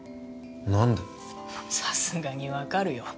何でさすがに分かるよ